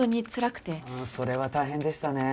それは大変でしたね。